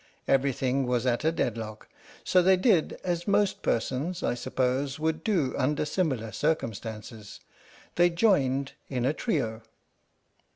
Everything was at a deadlock, so they did as most persons, I suppose, would do under similar circumstances they joined in a trio.